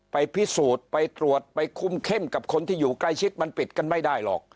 ไปพิสูจน์ไปตรวจไปคุมเข้มกับคนที่อยู่ใกล้ชิดมันปิดกันไม่ได้หรอก